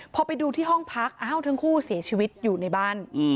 พอไปดูที่ห้องพักอ้าวทั้งคู่เสียชีวิตอยู่ในบ้าน